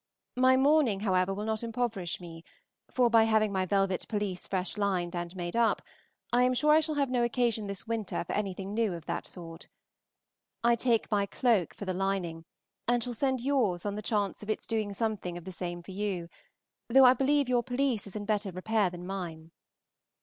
My mourning, however, will not impoverish me, for by having my velvet pelisse fresh lined and made up, I am sure I shall have no occasion this winter for anything new of that sort. I take my cloak for the lining, and shall send yours on the chance of its doing something of the same for you, though I believe your pelisse is in better repair than mine.